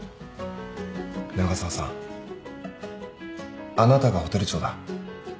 長澤さんあなたがホテル長だ。